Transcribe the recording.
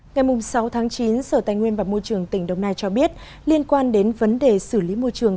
ngày sáu chín sở tài nguyên và môi trường tỉnh đồng nai cho biết liên quan đến vấn đề xử lý môi trường